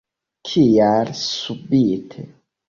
Kial subite.